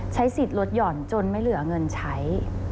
ใช้สิทธิ์ลดหย่อนจนไม่เหลือเงินใช้